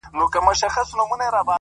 سـتـــا خــبــــــري دي;